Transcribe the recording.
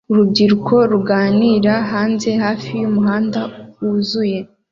Urubyiruko ruganira hanze hafi yumuhanda wuzuye